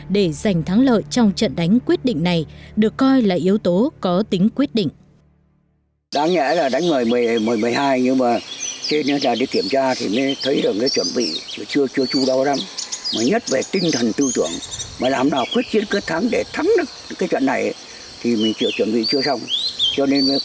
để giành thắng lợi trong trận đánh quyết định này được coi là yếu tố có tính quyết định